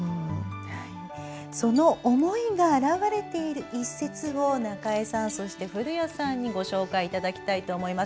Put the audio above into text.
その思いが表れている一節を中江さん、古谷さんにご紹介していただきます。